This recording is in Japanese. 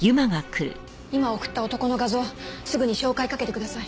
今送った男の画像すぐに照会かけてください。